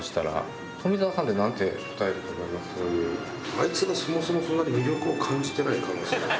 あいつがそもそもそんなに魅力を感じてない可能性もある。